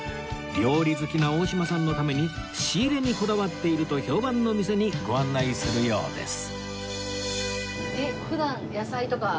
料理好きな大島さんのために仕入れにこだわっていると評判の店にご案内するようです